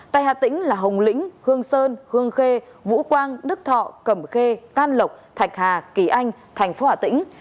tại hà tĩnh là hồng lĩnh hương sơn hương khê vũ quang đức thọ cẩm khê can lộc thạch hà kỳ anh thành phố hà tĩnh